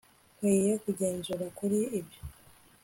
Nkwiye kugenzura kuri ibyo